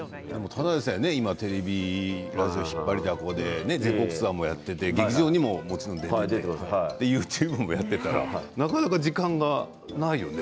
ただでさえテレビ、ラジオで引っ張りだこで全国ツアーもやっていて劇場にも出ていてＹｏｕＴｕｂｅｒもやっていたらなかなか時間がないよね。